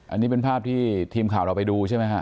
อันนี้เป็นภาพที่ทีมข่าวเราไปดูใช่ไหมฮะ